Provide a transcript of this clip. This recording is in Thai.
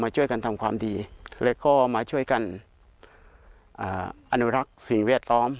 ช่วยกันทำความดีแล้วก็มาช่วยกันอนุรักษ์สิ่งแวดล้อม